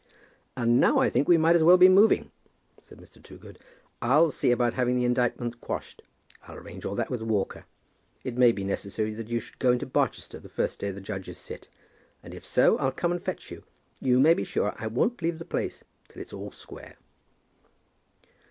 "And now I think we might as well be moving," said Mr. Toogood. "I'll see about having the indictment quashed. I'll arrange all that with Walker. It may be necessary that you should go into Barchester the first day the judges sit; and if so, I'll come and fetch you. You may be sure I won't leave the place till it's all square."